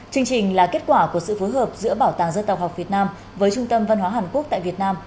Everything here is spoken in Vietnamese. chương trình là kết quả của sự phối hợp giữa bảo tàng dân tộc học việt nam với trung tâm văn hóa hàn quốc tại việt nam